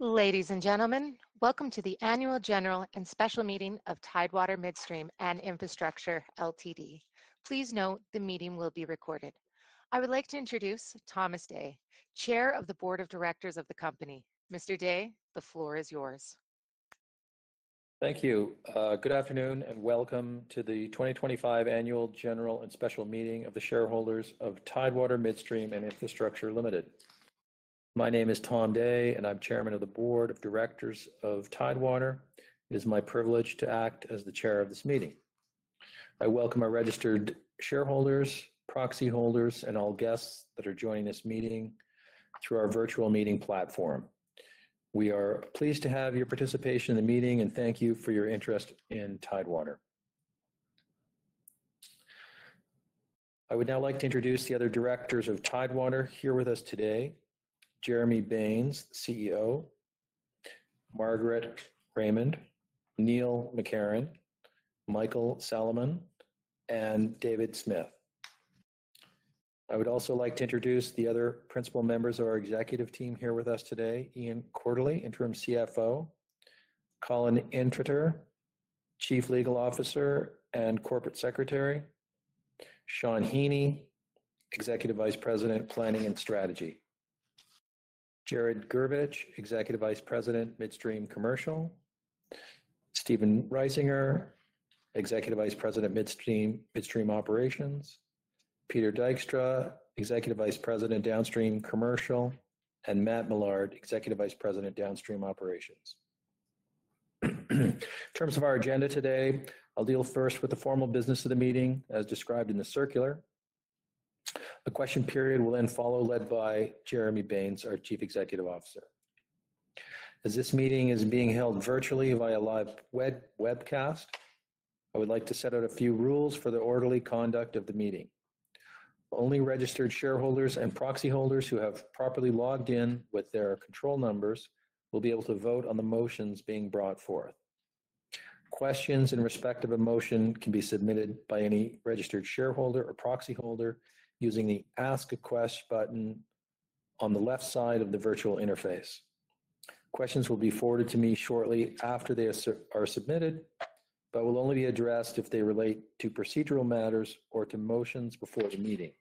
Ladies and gentlemen, welcome to the Annual General and Special Meeting of Tidewater Midstream and Infrastructure Ltd. Please note the meeting will be recorded. I would like to introduce Thomas Day, Chair of the Board of Directors of the company. Mr. Day, the floor is yours. Thank you. Good afternoon and welcome to the 2025 Annual General and Special Meeting of the Shareholders of Tidewater Midstream and Infrastructure. My name is Tom Day, and I'm Chairman of the Board of Directors of Tidewater. It is my privilege to act as the Chair of this meeting. I welcome our registered shareholders, proxy holders, and all guests that are joining this meeting through our virtual meeting platform. We are pleased to have your participation in the meeting, and thank you for your interest in Tidewater. I would now like to introduce the other directors of Tidewater here with us today: Jeremy Baines, CEO; Margaret Raymond; Neil McCarron; Michael Salomon; and David Smith. I would also like to introduce the other principal members of our executive team here with us today: Ian Quartly, Interim CFO; Colin Intreter, Chief Legal Officer and Corporate Secretary; Shawn Heaney, Executive Vice President, Planning and Strategy; Jared Gerbitch, Executive Vice President, Midstream Commercial; Stephen Reisinger, Executive Vice President, Midstream Operations; Peter Dykstra, Executive Vice President, Downstream Commercial; and Matt Millard, Executive Vice President, Downstream Operations. In terms of our agenda today, I'll deal first with the formal business of the meeting, as described in the circular. A question period will then follow, led by Jeremy Baines, our Chief Executive Officer. As this meeting is being held virtually via live webcast, I would like to set out a few rules for the orderly conduct of the meeting. Only registered shareholders and proxy holders who have properly logged in with their control numbers will be able to vote on the motions being brought forth. Questions in respect of a motion can be submitted by any registered shareholder or proxy holder using the Ask a Question button on the left side of the virtual interface. Questions will be forwarded to me shortly after they are submitted, but will only be addressed if they relate to procedural matters or to motions before the meeting.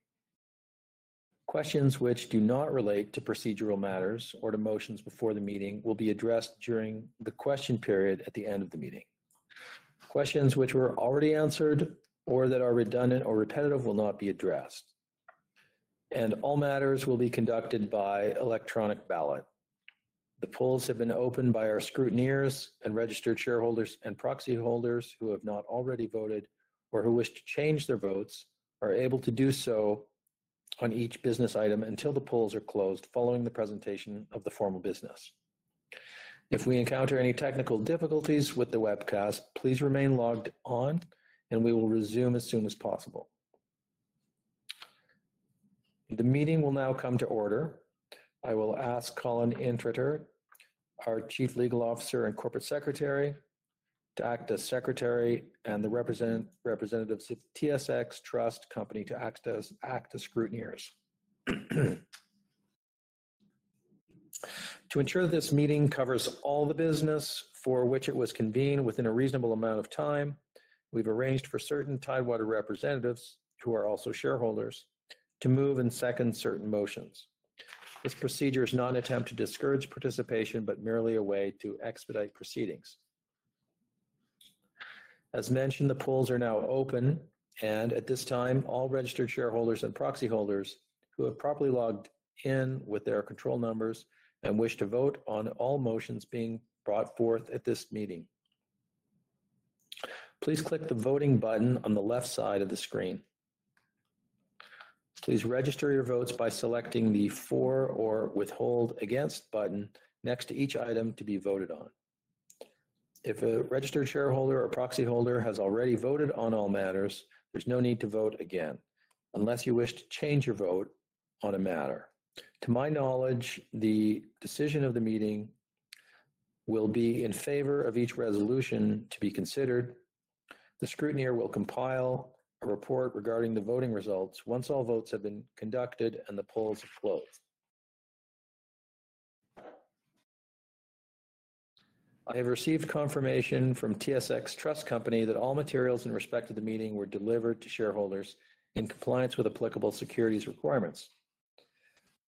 Questions which do not relate to procedural matters or to motions before the meeting will be addressed during the question period at the end of the meeting. Questions which were already answered or that are redundant or repetitive will not be addressed. All matters will be conducted by electronic ballot. The polls have been opened by our scrutineers, and registered shareholders and proxy holders who have not already voted or who wish to change their votes are able to do so on each business item until the polls are closed following the presentation of the formal business. If we encounter any technical difficulties with the webcast, please remain logged on, and we will resume as soon as possible. The meeting will now come to order. I will ask Colin Intreter, our Chief Legal Officer and Corporate Secretary, to act as Secretary and the representatives of TSX Trust Company to act as scrutineers. To ensure this meeting covers all the business for which it was convened within a reasonable amount of time, we've arranged for certain Tidewater representatives, who are also shareholders, to move and second certain motions. This procedure is not an attempt to discourage participation, but merely a way to expedite proceedings. As mentioned, the polls are now open, and at this time, all registered shareholders and proxy holders who have properly logged in with their control numbers and wish to vote on all motions being brought forth at this meeting, please click the voting button on the left side of the screen. Please register your votes by selecting the For or Withhold Against button next to each item to be voted on. If a registered shareholder or proxy holder has already voted on all matters, there is no need to vote again unless you wish to change your vote on a matter. To my knowledge, the decision of the meeting will be in favor of each resolution to be considered. The scrutineer will compile a report regarding the voting results once all votes have been conducted and the polls are closed. I have received confirmation from TSX Trust Company that all materials in respect of the meeting were delivered to shareholders in compliance with applicable securities requirements.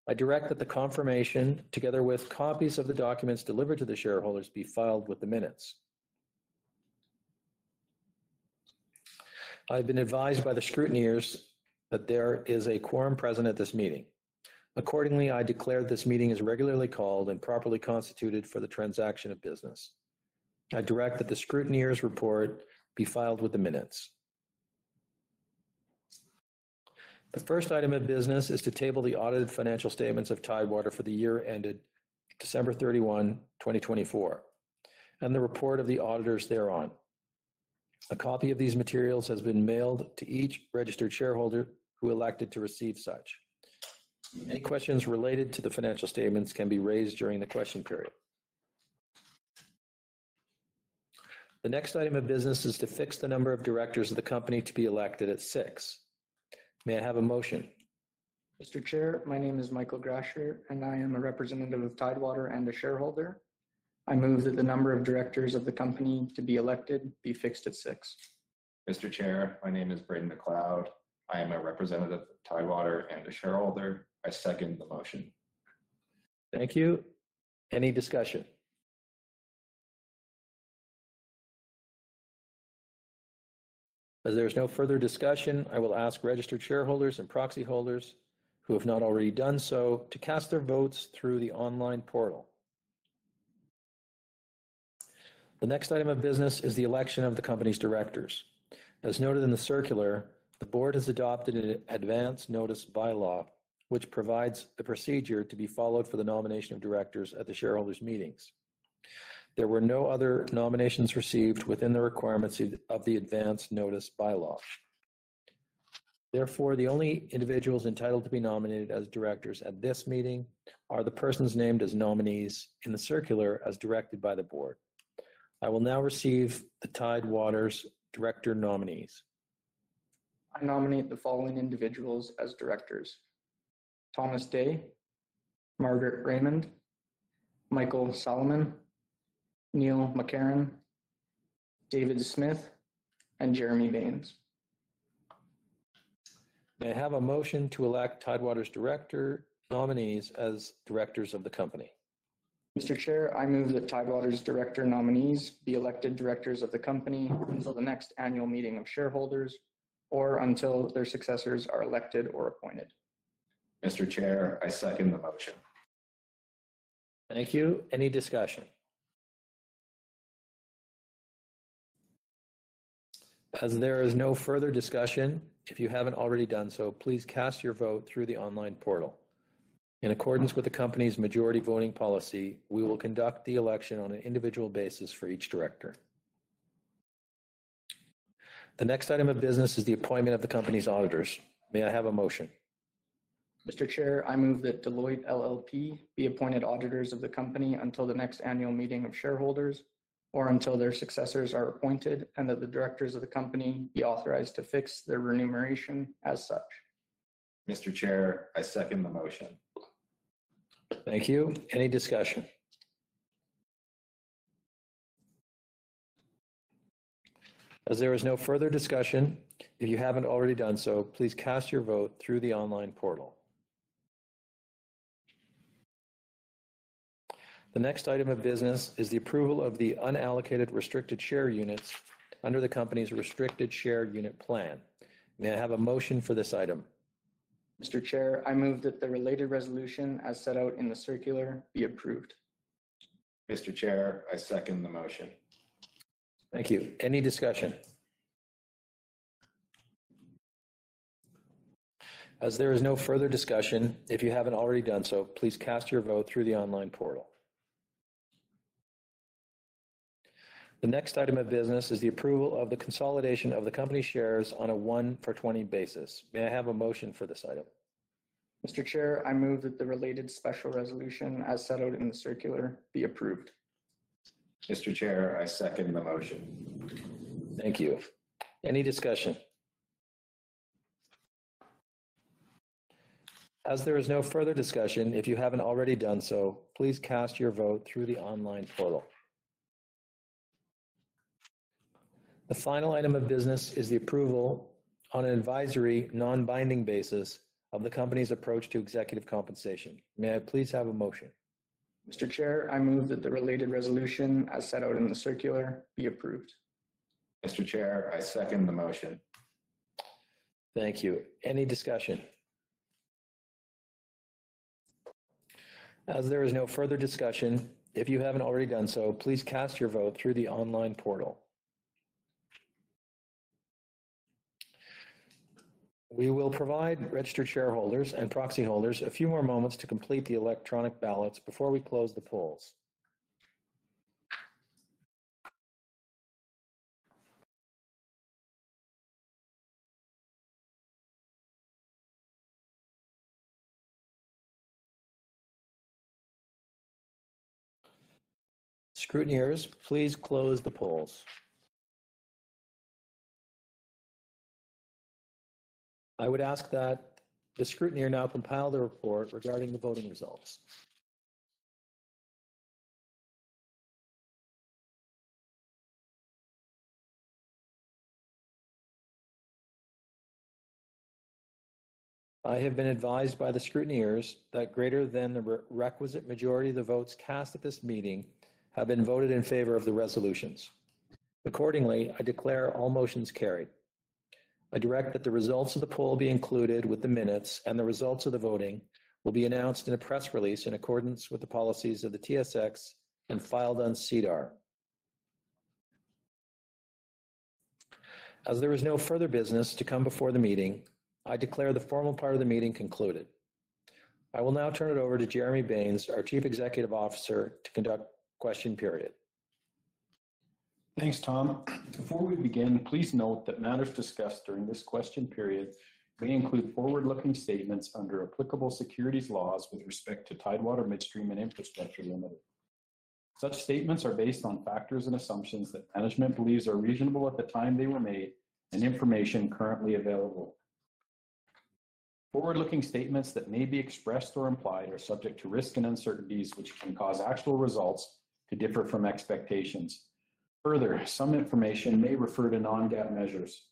I direct that the confirmation, together with copies of the documents delivered to the shareholders, be filed with the minutes. I have been advised by the scrutineers that there is a quorum present at this meeting. Accordingly, I declare that this meeting is regularly called and properly constituted for the transaction of business. I direct that the scrutineer's report be filed with the minutes. The first item of business is to table the audited financial statements of Tidewater for the year ended December 31, 2024, and the report of the auditors thereon. A copy of these materials has been mailed to each registered shareholder who elected to receive such. Any questions related to the financial statements can be raised during the question period. The next item of business is to fix the number of directors of the company to be elected at six. May I have a motion? Mr. Chair, my name is Michael Gracher, and I am a representative of Tidewater and a shareholder. I move that the number of directors of the company to be elected be fixed at six. Mr. Chair, my name is Brandon McLeod. I am a representative of Tidewater and a shareholder. I second the motion. Thank you. Any discussion? As there is no further discussion, I will ask registered shareholders and proxy holders who have not already done so to cast their votes through the online portal. The next item of business is the election of the company's directors. As noted in the circular, the board has adopted an Advance Notice Bylaw, which provides the procedure to be followed for the nomination of directors at the shareholders' meetings. There were no other nominations received within the requirements of the Advance Notice Bylaw. Therefore, the only individuals entitled to be nominated as directors at this meeting are the persons named as nominees in the circular as directed by the board. I will now receive Tidewater's director nominees. I nominate the following individuals as directors: Thomas Day, Margaret Raymond, Michael Salomon, Neil McCarron, David Smith, and Jeremy Baines. May I have a motion to elect Tidewater's director nominees as directors of the company? Mr. Chair, I move that Tidewater's director nominees be elected directors of the company until the next annual meeting of shareholders or until their successors are elected or appointed. Mr. Chair, I second the motion. Thank you. Any discussion? As there is no further discussion, if you haven't already done so, please cast your vote through the online portal. In accordance with the company's Majority Voting Policy, we will conduct the election on an individual basis for each director. The next item of business is the appointment of the company's auditors. May I have a motion? Mr. Chair, I move that Deloitte LLP be appointed auditors of the company until the next annual meeting of shareholders or until their successors are appointed and that the directors of the company be authorized to fix their remuneration as such. Mr. Chair, I second the motion. Thank you. Any discussion? As there is no further discussion, if you haven't already done so, please cast your vote through the online portal. The next item of business is the approval of the unallocated restricted share units under the company's Restricted Share Unit Plan. May I have a motion for this item? Mr. Chair, I move that the related resolution as set out in the circular be approved. Mr. Chair, I second the motion. Thank you. Any discussion? As there is no further discussion, if you haven't already done so, please cast your vote through the online portal. The next item of business is the approval of the consolidation of the company shares on a one-for-twenty basis. May I have a motion for this item? Mr. Chair, I move that the related special resolution as set out in the circular be approved. Mr. Chair, I second the motion. Thank you. Any discussion? As there is no further discussion, if you haven't already done so, please cast your vote through the online portal. The final item of business is the approval on an advisory non-binding basis of the company's approach to executive compensation. May I please have a motion? Mr. Chair, I move that the related resolution as set out in the circular be approved. Mr. Chair, I second the motion. Thank you. Any discussion? As there is no further discussion, if you haven't already done so, please cast your vote through the online portal. We will provide registered shareholders and proxy holders a few more moments to complete the electronic ballots before we close the polls. Scrutineers, please close the polls. I would ask that the scrutineer now compile the report regarding the voting results. I have been advised by the scrutineers that greater than the requisite majority of the votes cast at this meeting have been voted in favor of the resolutions. Accordingly, I declare all motions carried. I direct that the results of the poll be included with the minutes, and the results of the voting will be announced in a press release in accordance with the policies of the TSX and filed on SEDAR. As there is no further business to come before the meeting, I declare the formal part of the meeting concluded. I will now turn it over to Jeremy Baines, our Chief Executive Officer, to conduct the question period. Thanks, Tom. Before we begin, please note that matters discussed during this question period may include forward-looking statements under applicable securities laws with respect to Tidewater Midstream and Infrastructure Ltd. Such statements are based on factors and assumptions that management believes are reasonable at the time they were made and information currently available. Forward-looking statements that may be expressed or implied are subject to risk and uncertainties, which can cause actual results to differ from expectations. Further, some information may refer to non-GAAP measures.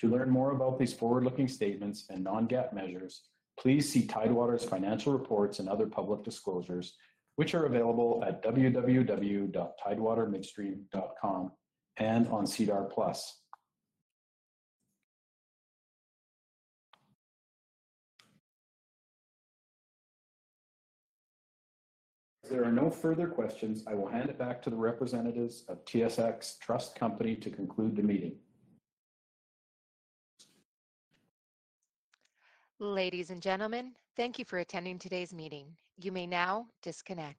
To learn more about these forward-looking statements and non-GAAP measures, please see Tidewater's financial reports and other public disclosures, which are available at www.tidewatermidstream.com and on CDAR Plus. There are no further questions. I will hand it back to the representatives of TSX Trust Company to conclude the meeting. Ladies and gentlemen, thank you for attending today's meeting. You may now disconnect.